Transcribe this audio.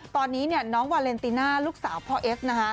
ตอนนี้เนี่ยน้องวาเลนติน่าลูกสาวพ่อเอสนะคะ